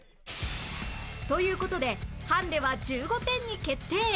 という事でハンデは１５点に決定